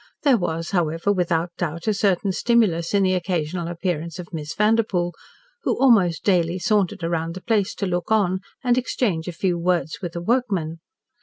There was, however, without doubt, a certain stimulus in the occasional appearance of Miss Vanderpoel, who almost daily sauntered round the place to look on, and exchange a few words with the workmen.